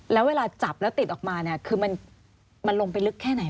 แล้วเวลาจับแล้วติดออกมาเนี่ยคือมันลงไปลึกแค่ไหน